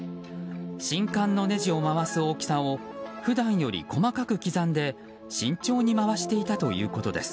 信管のねじを回す大きさを普段より細かく刻んで慎重に回していたということです。